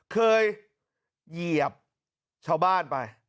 เหยียบชาวบ้านไป